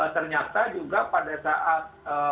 ternyata juga pada saat